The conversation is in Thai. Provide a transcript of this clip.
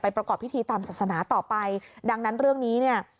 ประกอบพิธีตามศาสนาต่อไปดังนั้นเรื่องนี้เนี่ย